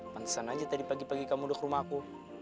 pantesan aja tadi pagi pagi kamu duk rumahku